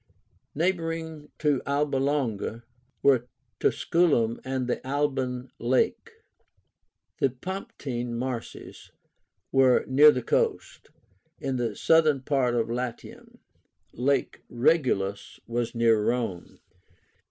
Neighboring to Alba Longa were Tusculum and the Alban Lake. The Pomptine Marshes were near the coast, in the southern part of Latium. Lake Regillus was near Rome.